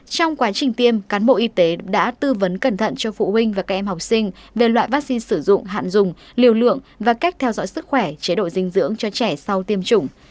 trong quá trình tiêm cán bộ y tế đã tư vấn cẩn thận cho phụ huynh và các em học sinh về loại vaccine sử dụng hạn dùng liều lượng và cách theo dõi sức khỏe chế độ dinh dưỡng cho trẻ sau tiêm chủng